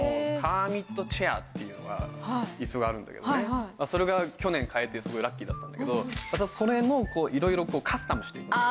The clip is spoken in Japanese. カーミットチェアっていう椅子があるんだけど、それが去年買えて、すごくラッキーだったんだけど、それのいろいろカスタムしている。